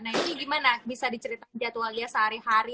nah ini gimana bisa diceritakan jadwalnya sehari hari